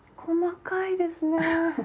細かいですね。